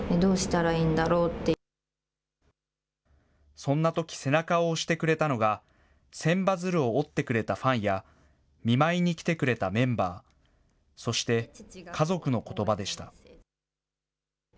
そんなとき、背中を押してくれたのが、千羽鶴を折ってくれたファンや、見舞いに来てくれたメンバー、そして家族のことばでした。